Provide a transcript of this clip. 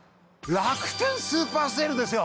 楽天スーパーＳＡＬＥですよ！